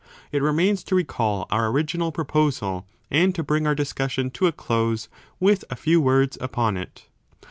It remains to recall our original proposal and to bring our 35 discussion to a close \vith a few words upon it.